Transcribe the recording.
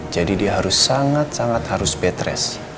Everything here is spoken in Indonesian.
jadi dia harus sangat sangat harus betres